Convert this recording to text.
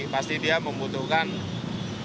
pasti dia membutuhkan sarana transportasi lanjutan